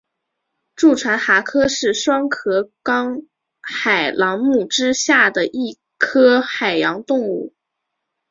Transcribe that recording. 蛀船蛤科是双壳纲海螂目之下的一科海洋动物。